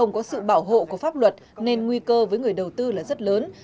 có sự bảo hộ của pháp luật nên nguy cơ với người đầu tư là rất lớn